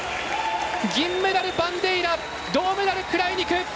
銀メダル、バンデイラ銅メダル、クライニク。